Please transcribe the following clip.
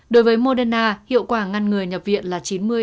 đối với moderna hiệu quả ngăn ngừa nhập viện là chín mươi chín mươi năm